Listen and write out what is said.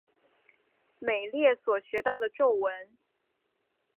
美列所学到的咒文。